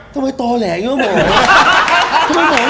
ทำไมโตแหลอยู่